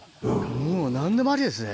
もう何でもありですね。